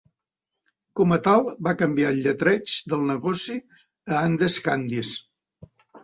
Com a tal, va canviar el lletreig del negoci a "Andes Candies".